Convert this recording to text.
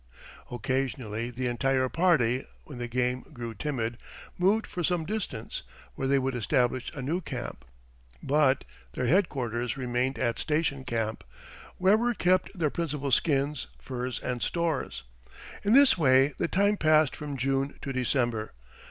Occasionally the entire party, when the game grew timid, moved for some distance, where they would establish a new camp; but their headquarters remained at Station Camp, where were kept their principal skins, furs, and stores. In this way the time passed from June to December.